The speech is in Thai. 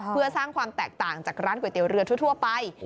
เพื่อสร้างความแตกต่างจากร้านก๋วยเตี๋ยวเรือทั่วไป